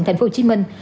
thành phố hồ chí minh